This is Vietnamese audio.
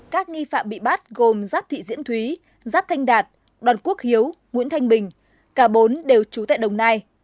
các nghi phạm bị bắt gồm giáp thị diễn thúy giáp thanh đạt đoàn quốc hiếu nguyễn thanh bình cả bốn đều trú tại đồng nai